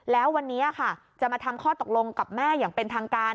แล้ววันนี้ค่ะจะมาทำข้อตกลงกับแม่อย่างเป็นทางการ